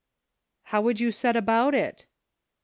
" How would you set about it ?